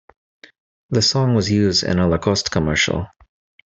The song was used in a Lacoste commercial.